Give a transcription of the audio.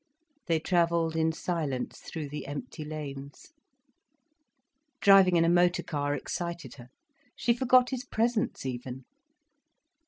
They travelled in silence through the empty lanes. Driving in a motor car excited her, she forgot his presence even.